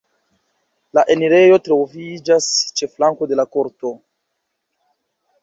La enirejo troviĝas ĉe flanko de la korto.